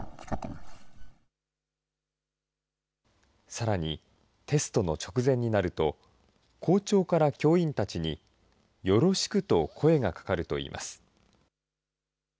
さらに、テストの直前になると、校長から教員たちに、よろしくと声がかかるといいます。